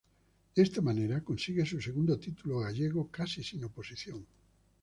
De esta manera consigue su segundo título gallego casi sin oposición.